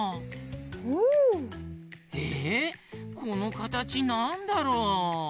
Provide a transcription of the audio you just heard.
このかたちなんだろう？